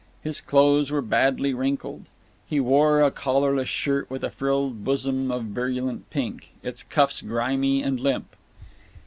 His clothes were badlv wrinkled. He wore a collarless shirt with a frilled bosom of virulent pink, its cuffs grimy and limp.